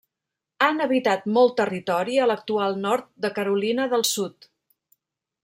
Han habitat molt territori a l'actual nord de Carolina del Sud.